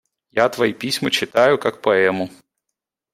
Я твои письма читаю, как поэму.